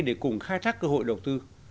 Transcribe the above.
để cùng khai thác cơ hội đầu tư